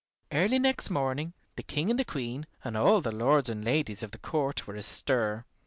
Early next morning the King and Queen and all the lords and ladies of the court were astir.